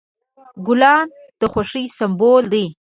ګلان د خوښۍ سمبول دي.